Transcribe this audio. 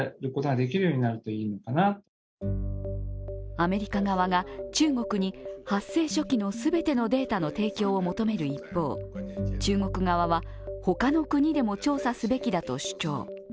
アメリカ側が中国に、発生初期の全てのデータの提供を求める一方、中国側は、他の国でも調査すべきだと主張。